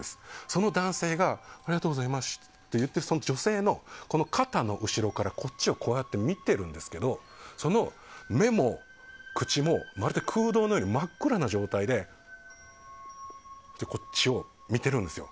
その男性がありがとうございましたと言って女性の肩の後ろからこっちを見てるんですけどその目も口もまるで空洞のように真っ暗な状態でこっちを見てるんですよ。